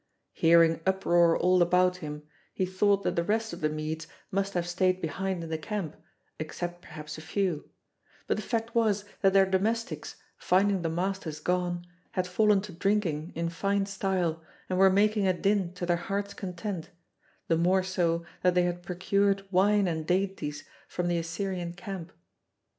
Hearing uproar all about him, he thought that the rest of the Medes must have stayed behind in the camp, except perhaps a few, but the fact was that their domestics, finding the masters gone, had fallen to drinking in fine style and were making a din to their hearts' content, the more so that they had procured wine and dainties from the Assyrian camp.